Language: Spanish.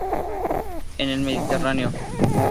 En el Mediterráneo.